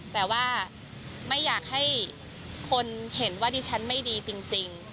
แต่ว่าไม่อยากให้คนเห็นว่าดิฉันไม่ดีจริง